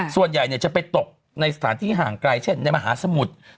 ส่วนใหญ่จะไปตกในสถานที่ห่างไกลเช่นในมหาสมุทร